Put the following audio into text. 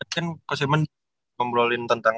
kan ko semen ngobrolin tentang